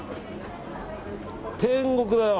天国だよ。